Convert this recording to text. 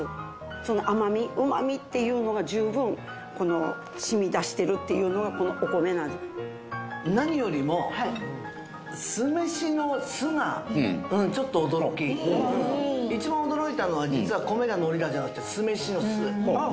その甘み旨みっていうのが十分染み出してるっていうのがこのお米なんです何よりも一番驚いたのは実は米だのりだじゃなくて酢飯の酢